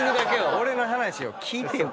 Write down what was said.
俺の話を聞いてよ。